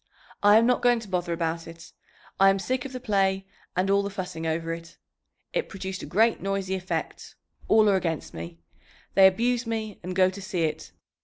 "I am not going to bother about it. I am sick of the play and all the fussing over it. It produced a great noisy effect. All are against me... they abuse me and go to see it.